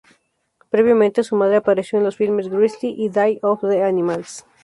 Previamente, su madre apareció en los filmes "Grizzly" y "Day of the Animals".